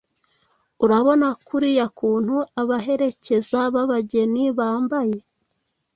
Urabona kuriya kuntu abaherekeza b’abageni bambaye!